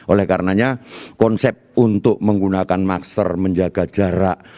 oleh karenanya konsep untuk menggunakan master menjaga jarak